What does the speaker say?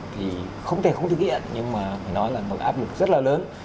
thì không thể không thực hiện nhưng mà phải nói là một áp lực rất là lớn